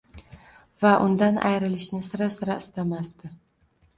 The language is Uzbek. va undan ayrilishni sira-sira istamasdi.